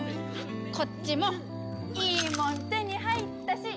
こっちもいいもん手に入ったし。